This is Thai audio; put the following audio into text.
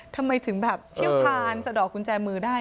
ทำไมถึงเชี่ยวชาญที่สะดอกมือได้